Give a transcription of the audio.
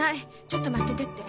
「ちょっと待ってて」って。